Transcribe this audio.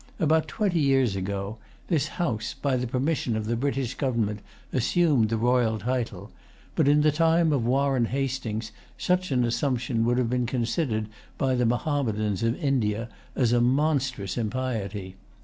About twenty years ago, this house, by the permission of the British government, assumed the royal title; but, in the time of Warren Hastings, such an assumption would have been considered by the Mahommedans of India as a monstrous impiety.